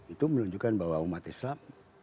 itu menunjukkan bahwa umat islam